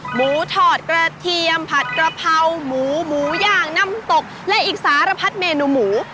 หมูถอดกระเทียมผัดกระเพราหมูหมูย่างน้ำตกและอีกสารพัดเมนูหมู